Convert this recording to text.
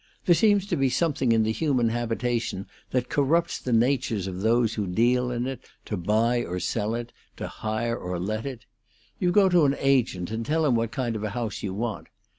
There seems to be something in the human habitation that corrupts the natures of those who deal in it, to buy or sell it, to hire or let it. You go to an agent and tell him what kind of a house you want.